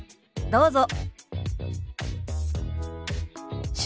どうぞ。